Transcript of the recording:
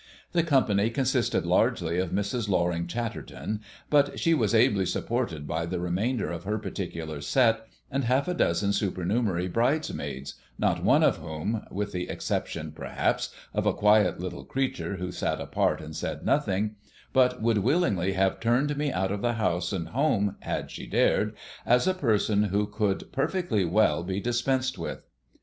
The company consisted largely of Mrs. Loring Chatterton; but she was ably supported by the remainder of her particular set and half a dozen supernumerary bridesmaids, not one of whom with the exception, perhaps, of a quiet little creature who sat apart and said nothing but would willingly have turned me out of house and home had she dared, as a person who could perfectly well be dispensed with.